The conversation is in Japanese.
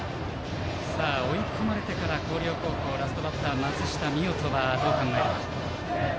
追い込まれてから広陵高校ラストバッターの松下水音はどう考えているか。